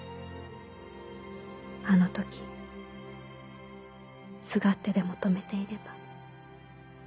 「あの時すがってでも止めていれば。